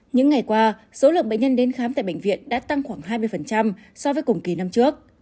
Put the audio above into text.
những ngày qua số lượng bệnh nhân đến khám tại bệnh viện đã tăng khoảng hai mươi so với cùng kỳ năm trước